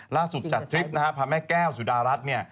ล่าสุดจัดทริปนะครับพระแม่แก้วสุดารัฐเนี่ย